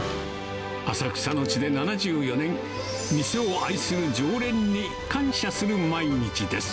浅草の地で７４年、店を愛する常連に感謝する毎日です。